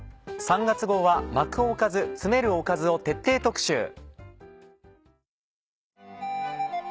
３月号は「巻くおかず、詰めるおかず」を徹底特集。